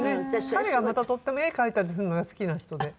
彼はまたとても絵描いたりするのが好きな人で。